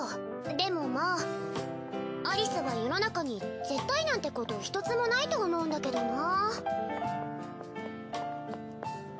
でもまあアリスは世の中に絶対なんてことひとつもないと思うんだけどなぁ。